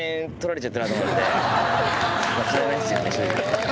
金ないっすよね正直。